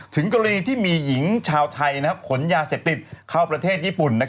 ถึงกรณีที่มีหญิงชาวไทยขนยาเสพติดเข้าประเทศญี่ปุ่น